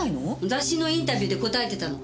雑誌のインタビューで答えてたの。